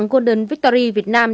golden victory việt nam